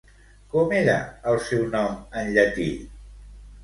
Com era el seu nom en llatí?